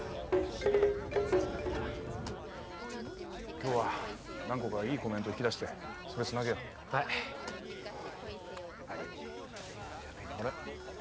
今日は何個かいいコメント引き出してそれつなげようはいあれ？